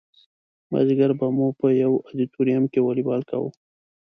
مازدیګر به مو په یو ادیتوریم کې والیبال کاوه.